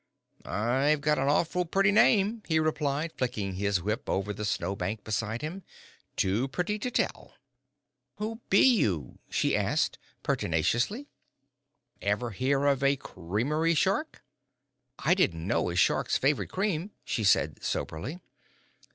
"I've got an awful pretty name," he replied, flicking his whip over the snow bank beside him, "too pretty to tell." "Who be you?" she asked, pertinaciously. "Ever hear tell of a creamery shark?" "I didn't know as sharks favoured cream," she said, soberly.